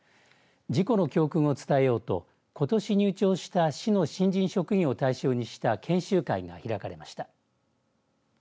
事故の教訓を伝えようと、ことし入庁した市の新人職員を対象にした研修会が開かれました。